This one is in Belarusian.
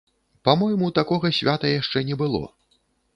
Па-мойму, такога свята яшчэ не было.